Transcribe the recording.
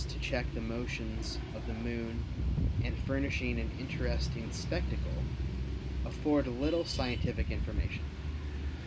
to check the motions of the Moon and furnishing an interesting spectacle, afford little scientific information.